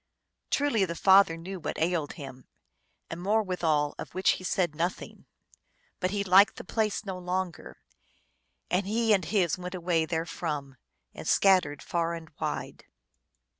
Truly the father knew what ailed him, and more withal, of which he said nothing. But he liked the place no longer, and he and his went away therefrom, and scattered far and wide.